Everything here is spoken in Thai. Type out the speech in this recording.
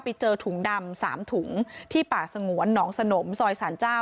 ไปเจอถุงดำ๓ถุงที่ป่าสงวนหนองสนมซอยสารเจ้า